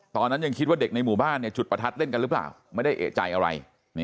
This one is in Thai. ตอนนั้นยังคิดว่าเด็กในหมู่บ้านจุดประทัดเล่นกันหรือเปล่าไม่ได้เอกใจอะไร